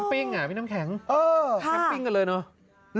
แคมป์ปิ้งหะมีน้ำแข็งแคมป์ปิ้งกันเลยโอ้โห